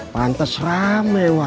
pantes rame warungnya